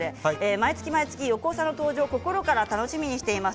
毎月毎月、横尾さん登場を心から楽しみにしています。